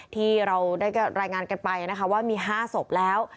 ที่เราได้รายงานกันไปนะคะว่ามี๕ศพแล้ว